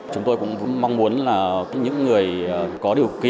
chúng tôi cũng mong muốn là những người có điều kiện